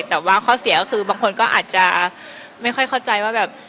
แต่ว่าข้อเสียก็คือบางคนก็อาจจะไม่ค่อยเข้าใจว่าแบบ